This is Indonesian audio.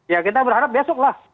ya kita berharap besok lah